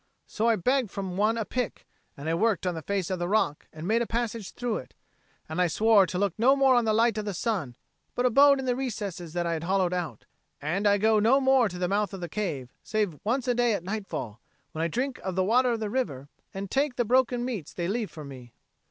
So I begged from one a pick, and I worked on the face of the rock, and made a passage through it. And I swore to look no more on the light of the sun, but abode in the recesses that I had hollowed out. And I go no more to the mouth of the cave, save once a day at nightfall, when I drink of the water of the river and take the broken meats they leave for me."